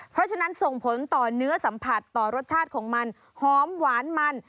เพราะฉะนั้นส่งผลต่อเนื้อสัมผัสต่อรสชาติของมันหอมหวานมัน